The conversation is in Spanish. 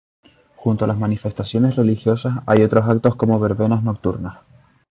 Junto a las manifestaciones religiosas, hay otros actos como verbenas nocturnas.